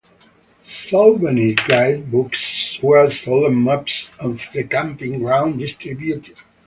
Souvenir guide books were sold and maps of the camping ground distributed.